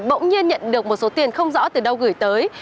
bỗng nhiên nhận được một số tiền không rõ từ đâu gửi tới